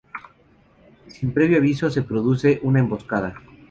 Sin previo aviso, se produce una emboscada.